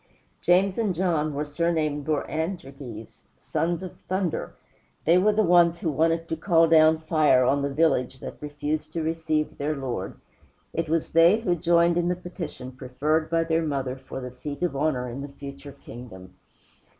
James and John were surnamed Boanerges "sons of thunder." They were the ones who wanted to call down fire on the village that refused to receive their Lord. It was they who joined in the petition preferred by their mother for the seat of honor in the future kingdom.